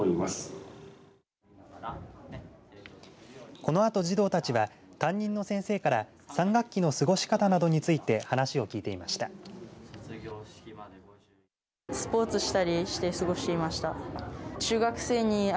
このあと児童たちは担任の先生から３学期の過ごし方などについて話を聞いていました。